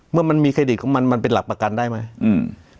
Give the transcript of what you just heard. เมื่อมันมีเครดิตของมันมันเป็นหลักประกันได้ไหมอืม